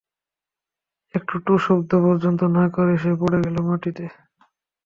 একটা টুশব্দ পর্যন্ত না করে সে পড়ে গেল মাটিতে।